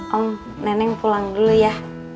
om neneng pulang dulu ya